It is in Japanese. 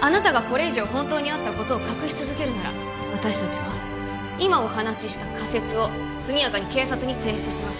あなたがこれ以上本当にあったことを隠し続けるなら私達は今お話しした仮説を速やかに警察に提出します